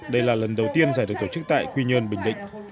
đây là lần đầu tiên giải được tổ chức tại quy nhơn bình định